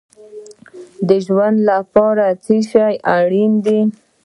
د ژوند لپاره څه شی اړین دی؟